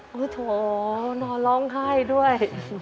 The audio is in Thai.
โอ้โหโถนอนร้องไห้ด้วย